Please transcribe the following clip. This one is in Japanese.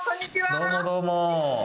どうもどうも。